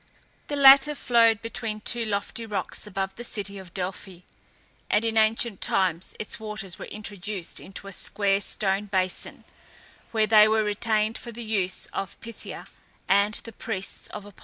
The latter flowed between two lofty rocks above the city of Delphi, and in ancient times its waters were introduced into a square stone basin, where they were retained for the use of the Pythia and the priests of Apollo.